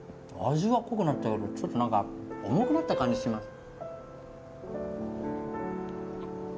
味は濃くなったけどちょっと何か重くなった感じしま